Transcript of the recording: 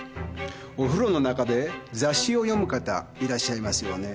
お風呂の中で雑誌を読む方いらっしゃいますよね。